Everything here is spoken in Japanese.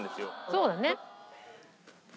そうだね。